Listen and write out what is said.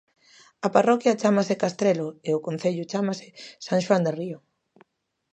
A parroquia chámase Castrelo e o concello chámase San Xoán de Río.